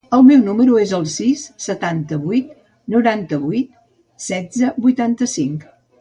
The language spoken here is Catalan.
El meu número es el sis, setanta-vuit, noranta-vuit, setze, vuitanta-cinc.